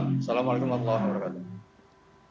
assalamualaikum warahmatullahi wabarakatuh